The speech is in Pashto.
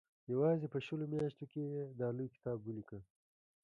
یوازې په شلو میاشتو کې یې دا لوی کتاب ولیکه.